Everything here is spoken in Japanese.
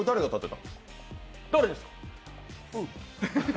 誰ですか？